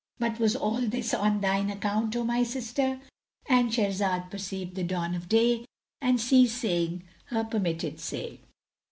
But was all this on thine account, O my sister?"—And Shahrazad perceived the dawn of day and ceased saying her permitted say.